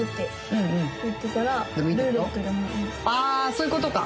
あそういうことか。